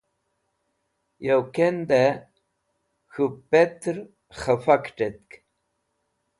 Yo kendẽ k̃hũ petẽr khẽfa kẽt̃etk.